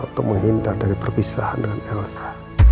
untuk menghindar dari perpisahan dengan dia